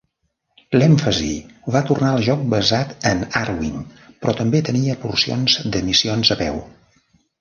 L'èmfasi va tornar al joc basat en Arwing, però també tenia porcions de missions a peu.